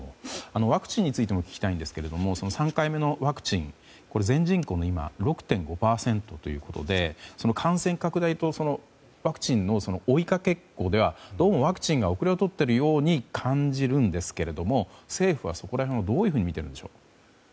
ワクチンについても聞きたいんですが３回目のワクチン全人口の６．５％ということで感染拡大とワクチンの追いかけっこではどうもワクチンが後れを取っているように感じるんですけど政府はそこら辺をどういうふうにみているんでしょう。